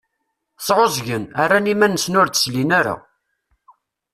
Sεuẓẓgen, rran iman-nsen ur d-slin ara.